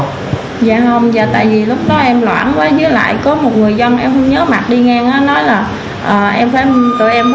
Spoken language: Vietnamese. dạ không dạ tại vì lúc đó em loãng quá dưới lại có một người dân em không nhớ mặt đi ngang á